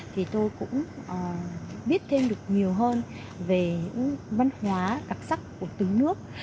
thì tôi cũng biết thêm được nhiều hơn về văn hóa cặp sắc của từng nước